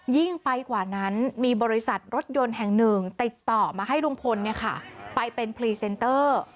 ยิ่งไปกว่านั้นมีบริษัทรถยนต์แห่งหนึ่งติดต่อมาให้ลุงพลไปเป็นพรีเซนเตอร์